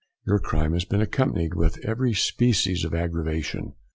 Your crime has been accompanied with every speices of aggravation.